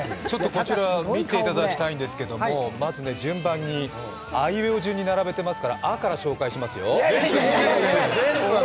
こちらを見ていただきたいんですけれども、まず順番にアイウエオ順に並べてますから「ア」から紹介していきますよ。